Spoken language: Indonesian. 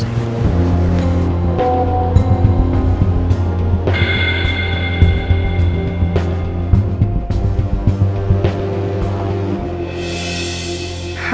tidak punya arahnya